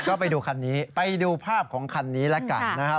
ก็ไปดูคันนี้ไปดูภาพของคันนี้แล้วกันนะครับ